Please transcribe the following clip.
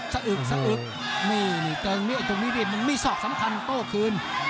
สะอึกนี่นี่เติ้งตรงนี้ดิมีศอกสำคัญโต้คืน